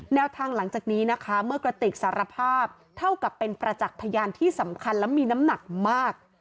แนวทางหลังจากนี้นะคะเมื่อกระติกสารภาพเท่ากับเป็นประจักษ์พยานที่สำคัญและมีน้ำหนักมาก